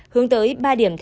hướng tới ba điểm thành